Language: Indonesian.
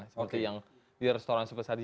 seperti yang di restoran seperti tadi